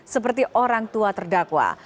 seperti orang tua terdakwa